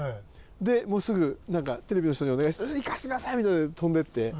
でもうすぐテレビの人にお願いして「行かせてください！」みたいなので飛んでいって。